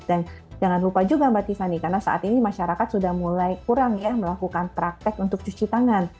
dan jangan lupa juga mbak tisani karena saat ini masyarakat sudah mulai kurang ya melakukan praktek untuk cuci tangan